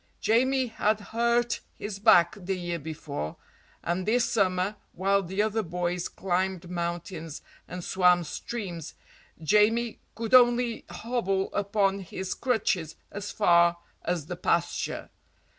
Jamie had hurt his back the year before, and this summer, while the other boys climbed mountains and swam streams, Jamie could only hobble upon his crutches as far as the pasture.